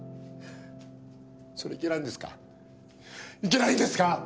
それいけないんですか？